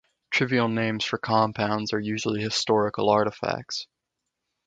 Trivial names for compounds are usually historical artifacts.